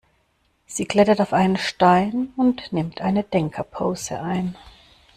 Sie klettert auf einen Stein und nimmt eine Denkerpose ein.